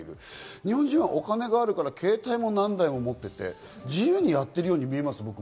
日本人はお金があるから携帯も何台も持っていて、自由にやっているように見えます。